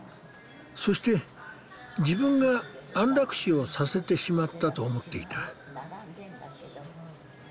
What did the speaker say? そして自分が安楽死をさせてしまったと思っていた。